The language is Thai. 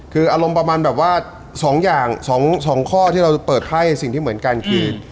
คืออารมณ์ประมาณแบบว่า๒อย่าง๒ข้อที่เราจะเปิดไพ่สิ่งที่เหมือนกันคือ